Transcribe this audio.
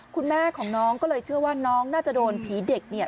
คุณแม่ของน้องก็เลยเชื่อว่าน้องน่าจะโดนผีเด็กเนี่ย